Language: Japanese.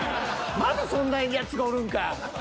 まだそんなやつがおるんか。